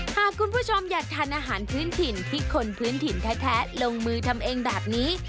หากคุณผู้ชมอยากทานอาหารพื้นถิ่นที่คนพื้นถิ่นแท้ลงมือทำเองแบบนี้